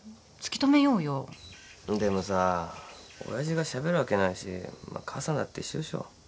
でもさ親父がしゃべるわけないしまあ母さんだって一緒でしょ。